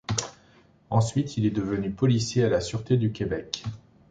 Ensuite, il est devenu policier à la Sûreté du Québec.